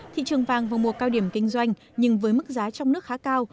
thị trường vàng vào mùa cao điểm kinh doanh nhưng với mức giá trong nước khá cao